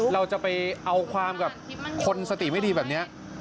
เราจะไปเอาความกับคนสติไม่ดีแบบนี้